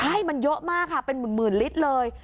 ใช่มันเยอะมากค่ะเป็นหมื่นลิตรเลย